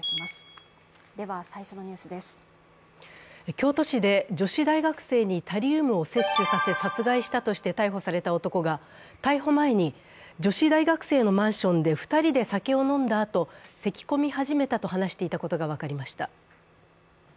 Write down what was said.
京都市で女子大学生にタリウムを摂取させ殺害したとして逮捕された男が逮捕前に女子大学生のマンション２人で酒を飲んだあと、せき込み始めたと話していたことが分かりました。